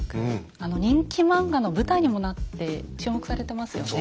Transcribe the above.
あの人気漫画の舞台にもなって注目されてますよね。